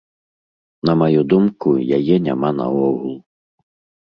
На маю думку, яе няма наогул.